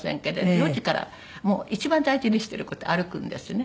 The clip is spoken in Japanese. ４時から一番大事にしてる事歩くんですね。